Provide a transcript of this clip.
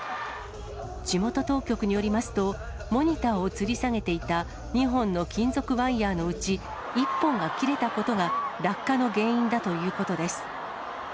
地元当局によりますと、モニターをつり下げていた２本の金属ワイヤのうち、１本が切れたことが、落下の原因だということです。